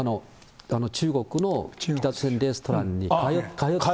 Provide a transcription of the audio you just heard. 中国の北朝鮮レストランに通って。